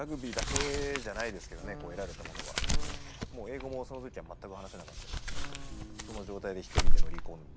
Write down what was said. もう英語もその時は全く話せなかったですしその状態で一人で乗り込んで。